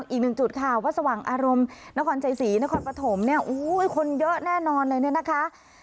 อีกหนึ่งจุดค่ะว่าสว่างอารมณ์นครใจศรีนครปฐมคนเยอะแน่นอนเลยนะคะ